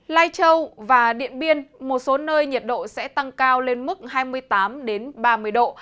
lai châu và điện biên một số nơi nhiệt độ sẽ tăng cao lên mức hai mươi tám ba mươi độ